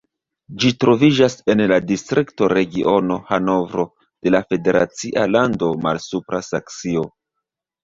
Ĝi troviĝas en la distrikto Regiono Hanovro de la federacia lando Malsupra Saksio.